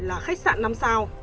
là khách sạn năm sao